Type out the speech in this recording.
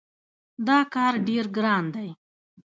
دا کار ډېر اسان دی.